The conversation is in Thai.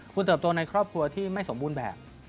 คุณเติบโตในครอบครัวที่ไม่สมบูรณ์แบบ